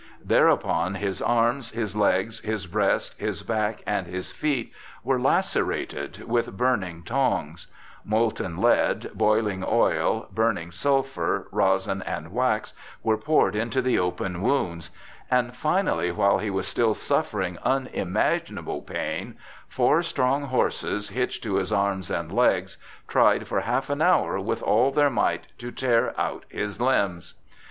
Thereupon his arms, his legs, his breast, his back and his feet were lacerated with burning tongs; molten lead, boiling oil, burning sulphur, rosin, and wax were poured into the open wounds; and finally, while he was still suffering unimaginable pain, four strong horses, hitched to his arms and legs, tried for half an hour with all their might to tear out his limbs.